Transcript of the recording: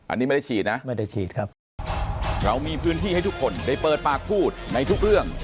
อันนี้ไม่ได้ฉีดนะไม่ได้ฉีดครับเรามีพื้นที่ให้ทุกคนได้เปิดปากพูดในทุกเรื่อง